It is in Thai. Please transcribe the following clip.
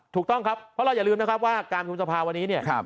ถูกต้องครับเพราะเราอย่าลืมนะครับว่าการประชุมสภาวันนี้เนี่ย